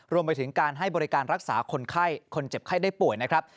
รวมไปถึงการให้บริการรักษาคนไข้คนเจ็บไข้ได้ป่วยนะครับ